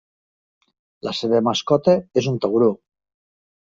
La seva mascota és un tauró.